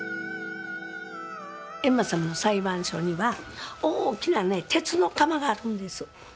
閻魔さまの裁判所には大きな鉄の釜があるんです。